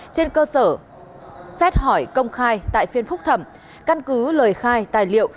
trên cơ sở xét hỏi công khai tại phiên phúc thẩm căn cứ lời khai tài liệu